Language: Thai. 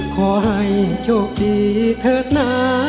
ขอให้โชคดีเถิดนะ